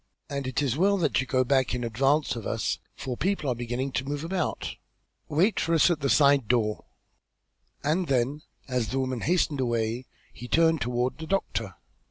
"And it is as well that you go back in advance of us, for people are beginning to move about. Wait for us at the side door." And then, as the woman hastened away, he turned toward the doctor.